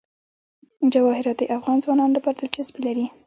جواهرات د افغان ځوانانو لپاره دلچسپي لري.